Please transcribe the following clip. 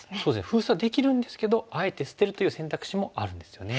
封鎖できるんですけどあえて捨てるという選択肢もあるんですよね。